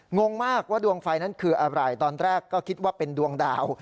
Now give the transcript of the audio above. งงมากว่าดวงไฟนั้นคืออะไรตอนแรกก็คิดว่าเป็นดวงดาว